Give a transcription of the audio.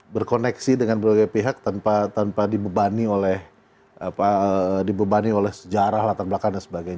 berkoneksi dengan berbagai pihak tanpa dibebani oleh dibebani oleh sejarah latar belakang dan sebagainya